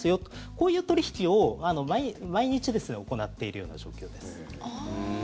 こういう取引を毎日行っているような状況です。